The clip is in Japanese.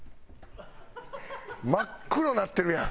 真っ黒になってるやん！